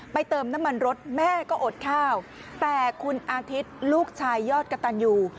เติมน้ำมันรถแม่ก็อดข้าวแต่คุณอาทิตย์ลูกชายยอดกระตันอยู่